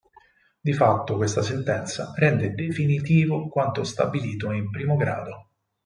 Di fatto questa sentenza rende definitivo quanto stabilito in primo grado.